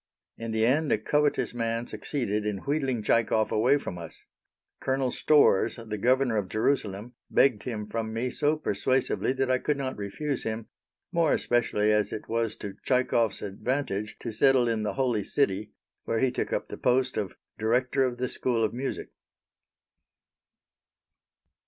In the end a covetous man succeeded in wheedling Tchaikov away from us. Colonel Storrs, the Governor of Jerusalem, begged him from me so persuasively that I could not refuse him, more especially as it was to Tchaikov's advantage to settle in the Holy City, where he took up the post of Director of the School of Music.